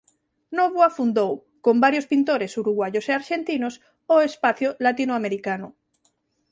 Nóvoa fundou con varios pintores uruguaios e arxentinos o Espacio Latinoamericano.